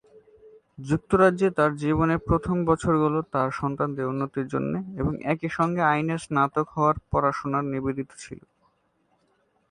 যুক্তরাজ্যে তার জীবনের প্রথম বছরগুলো তার সন্তানদের উন্নতির জন্যে এবং একই সঙ্গে আইনের স্নাতক হওয়ার পড়াশোনায় নিবেদিত ছিল।